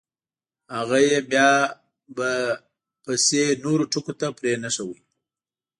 هغه یې بیا به … پسې نورو ټکو ته پرېنښود.